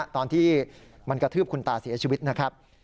ตอนที่มันกระทืบคุณตาเสียชีวิตนะครับ